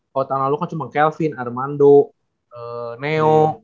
kalau tahun lalu kan cuma kelvin armando neo